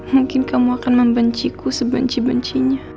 mungkin kamu akan membenciku sebenci bencinya